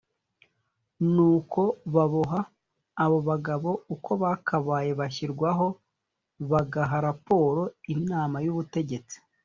Nuko baboha abo bagabo uko bakambaye bashyirwaho bagaha raporo Inama y Ubutegtsi